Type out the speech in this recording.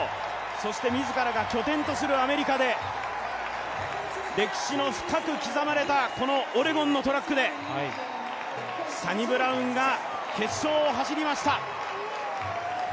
そして自らが拠点とするアメリカで、歴史の深く刻まれたこのオレゴンのトラックでサニブラウンが決勝を走りました。